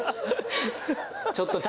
ちょっと谷！